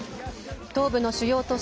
東部の主要都市